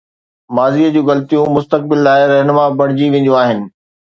ماضيءَ جون غلطيون مستقبل لاءِ رهنما بڻجي وينديون آهن.